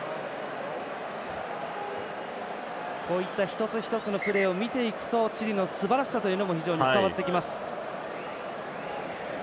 こういった一つ一つのプレーを見ていくとチリのすばらしさというのも非常に伝わってきます。